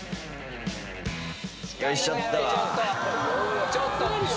よいしょっと。